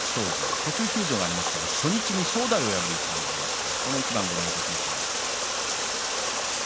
途中休場がありましたが初日に正代を破る一番がありました。